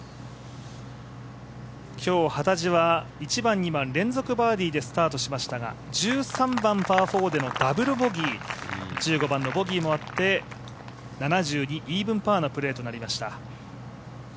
今日幡地は１番、２番は連続バーディーでスタートしましたが１３番パー４でのダブルボギー、１５番のボギーもあって７２、イーブンパーのプレーとなりました。